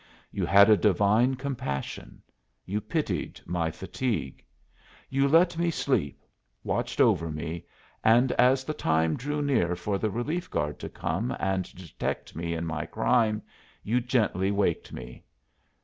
You had a divine compassion. You pitied my fatigue. You let me sleep, watched over me, and as the time drew near for the relief guard to come and detect me in my crime, you gently waked me.